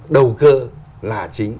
đầu cơ là chính